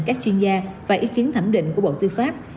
các chuyên gia và ý kiến thẩm định của bộ tư pháp